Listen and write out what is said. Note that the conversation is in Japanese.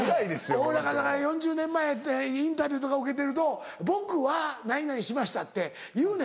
俺がだから４０年前インタビューとか受けてると「僕は何々しました」って言うね